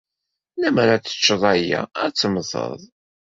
Lemmer ad tecceḍ aya, ad temmteḍ.